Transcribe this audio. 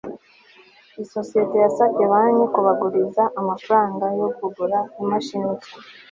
isosiyete yasabye banki kubaguriza amafaranga yo kugura imashini nshya